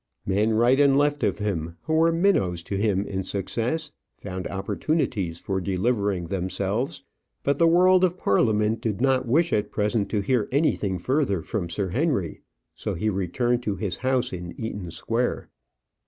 Men right and left of him, who were minnows to him in success, found opportunities for delivering themselves; but the world of Parliament did not wish at present to hear anything further from Sir Henry. So he returned to his house in Eaton Square.